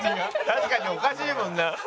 確かにおかしいもんな。